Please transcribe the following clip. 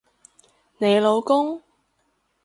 你老公？